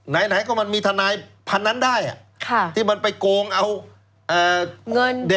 ไหนไหนก็มันมีทนายพันธุ์นั้นได้ค่ะที่มันไปโกงเอาเอ่อเงิน